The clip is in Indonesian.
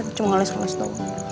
nggak mau ngoles oles tau